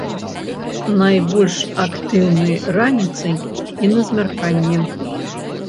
Найбольш актыўны раніцай і на змярканні.